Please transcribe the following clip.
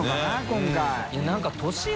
今回。